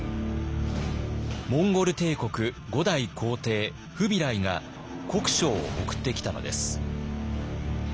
モンゴル帝国５代皇帝フビライが国書を送ってきたのです。